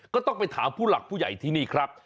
ก็ต้องไปถามผู้หลักผู้ใหญ่ที่นี่ครับ